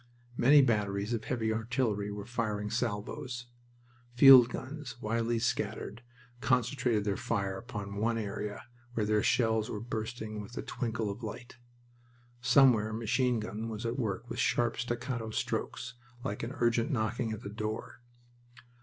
Many batteries of heavy artillery were firing salvos. Field guns, widely scattered, concentrated their fire upon one area, where their shells were bursting with a twinkle of light. Somewhere a machine gun was at work with sharp, staccato strokes, like an urgent knocking at the door.